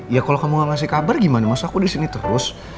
ya kalau kamu gak ngasih kabar gimana masa aku di sini terus